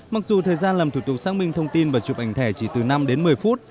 mặc dù thời gian làm thủ tục xác minh thông tin và chụp ảnh thẻ chỉ từ năm đến một mươi phút